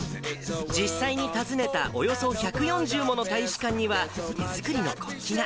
実際に訪ねたおよそ１４０もの大使館には、手作りの国旗が。